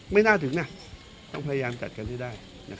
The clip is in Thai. ไม่น่าถึงนะต้องพยายามจัดกันให้ได้